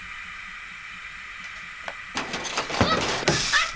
あっ！